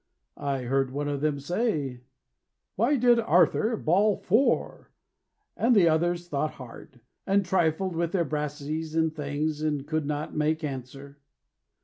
I heard one of them say "Why did Arthur Bawl Fore?" And the others thought hard, And trifled with their brassies and things, And could not make answer.